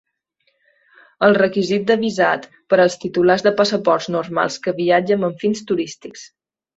Els requisits de visat per als titulars de passaports normals que viatgen amb fins turístics.